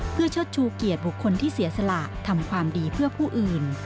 เพื่อเชิดชูเกียรติบุคคลที่เสียสละทำความดีเพื่อผู้อื่น